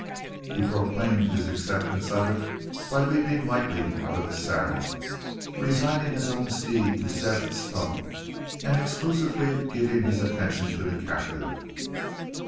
He proclaimed his acceptance of it by leaping lightly out of his saddle, resigning his own steed to Zeb Stump, and exclusively giving his attention to the captive.